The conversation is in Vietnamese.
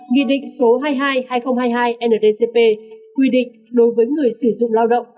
nghị định số hai mươi hai hai nghìn hai mươi hai ndcp quy định đối với người sử dụng lao động